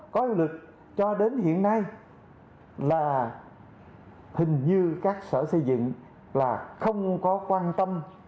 có hiệu lực cho đến hiện nay là hình như các sở xây dựng là không có quan tâm